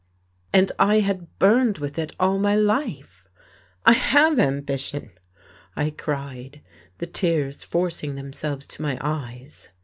And I had burned with it all my life! "I have ambition," I cried, the tears forcing themselves to my eyes.